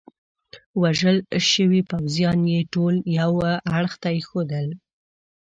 وژل شوي پوځیان يې ټول یوه اړخ ته ایښودل.